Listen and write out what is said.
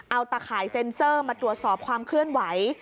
เอาตะข่ายเซ็นเซอร์มาตรวจสอบความเคลื่อนไหว